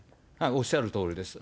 おっしゃるとおりです。